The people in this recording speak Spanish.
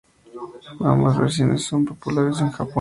Ambas versiones son muy populares en Japón.